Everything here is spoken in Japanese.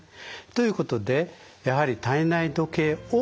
ということでやはり体内時計「を」